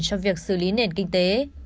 trong việc xử lý nền kinh tế